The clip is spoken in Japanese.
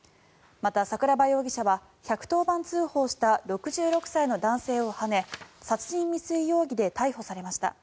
また、桜庭容疑者は１１０番通報した６６歳の男性をはね殺人未遂容疑で逮捕されました。